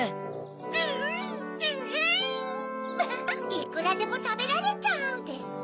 「いくらでもたべられちゃう！」ですって。